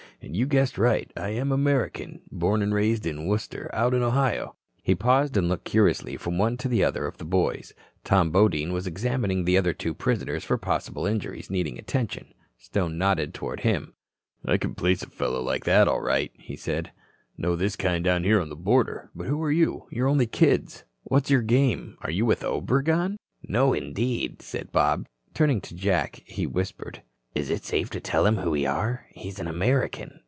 And you guessed right. I am an American. Born an' raised in Wooster, out in Ohio." He paused and looked curiously from one to the other of the boys. Tom Bodine was examining the two other prisoners for possible injuries needing attention. Stone nodded toward him. "I can place a fellow like that, all right," he said. "Know this kind down here on the border. But who are you? You're only kids. What's your game? Are you with Obregon?" "No, indeed," said Bob. Turning to Jack, he whispered: "Is it safe to tell him who we are? He's an American.